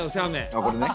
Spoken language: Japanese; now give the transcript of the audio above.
あっこれね。